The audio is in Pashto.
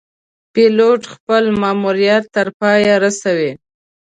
پیلوټ خپل ماموریت تر پایه رسوي.